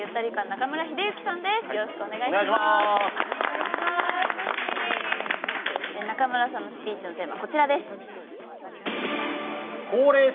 中村さんのスピーチのテーマこちらです。